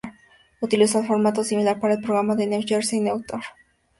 Utilizó un formato similar para el programa de New Jersey Network "Shepherd's Pie".